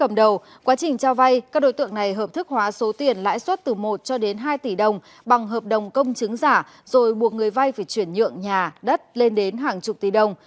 từ lúc đặt ngọc ngãi cầm đầu quá trình trao vay các đối tượng này hợp thức hóa số tiền lãi suất từ một cho đến hai tỷ đồng bằng hợp đồng công chứng giả rồi buộc người vay phải chuyển nhượng nhà đất lên đến hàng chục tỷ đồng